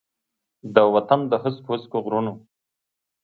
د وطن د هسکو، هسکو غرونو،